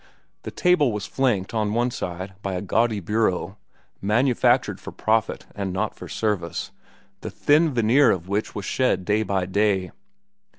The table was flanked on one side by a gaudy bureau, manufactured for profit and not for service, the thin veneer of which was shed day by day.